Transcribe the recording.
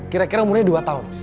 kira kira umurnya dua tahun